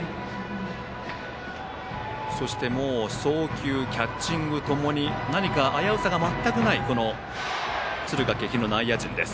そして送球キャッチング共に何か危うさが全くない敦賀気比の内野陣です。